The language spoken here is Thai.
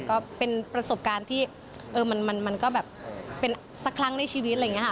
ก็เป็นประสบการณ์ที่มันก็แบบเป็นสักครั้งในชีวิตอะไรอย่างนี้ค่ะ